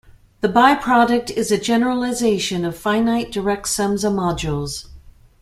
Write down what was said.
The biproduct is a generalization of finite direct sums of modules.